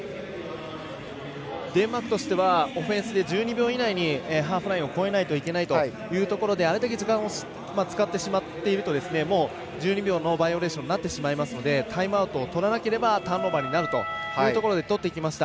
デンマークとしてはオフェンスで１２秒以内にハーフラインを越えないといけないところであれだけ時間を使ってしまっているともう１２秒のバイオレーションになってしまいますのでタイムアウトをとらないとターンオーバーになるというところでとっていきました。